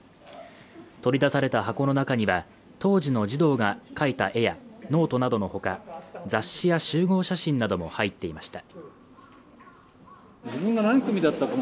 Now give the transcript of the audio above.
取り出された箱の中には当時の児童が描いた絵やノートなどの他雑誌や集合写真なども入っていました。